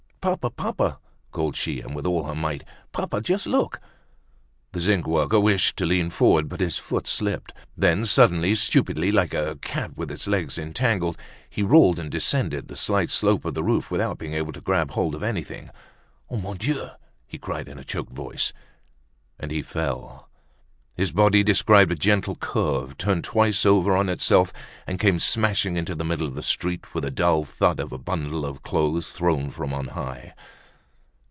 "Papa! Papa!" called she with all her might. "Papa! Just look!" The zinc worker wished to lean forward, but his foot slipped. Then suddenly, stupidly, like a cat with its legs entangled, he rolled and descended the slight slope of the roof without being able to grab hold of anything. "Mon Dieu," he cried in a choked voice. And he fell. His body described a gentle curve, turned twice over on itself, and came smashing into the middle of the street with the dull thud of a bundle of clothes thrown from on high.